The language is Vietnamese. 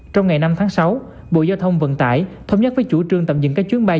trong ngày năm tháng sáu bộ giao thông vận tải thống nhất với chủ trương tạm dừng các chuyến bay